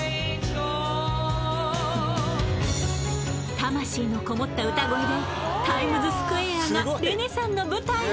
魂のこもった歌声でタイムズスクエアがレネさんの舞台に。